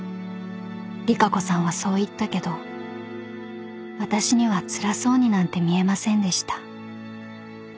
［利佳子さんはそう言ったけど私にはつらそうになんて見えませんでした］